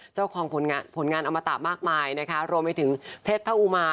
เจ้าของผลงานอมตามากมายรวมไปถึงเพชรพระอุมา